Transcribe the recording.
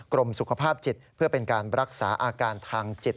กรมสุขภาพจิตเพื่อเป็นการรักษาอาการทางจิต